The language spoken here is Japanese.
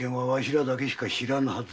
らだけしか知らぬはず。